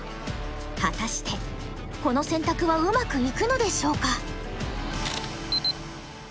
果たしてこの選択はうまくいくのでしょうか？